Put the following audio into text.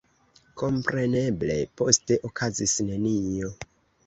Kompreneble poste okazis nenio.